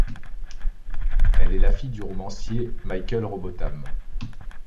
Elle est la fille du romancier Michael Robotham.